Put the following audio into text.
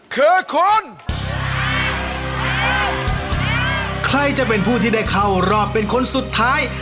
คือคนใครจะเป็นผู้ที่ได้เข้ารอบเป็นคนสุดท้าย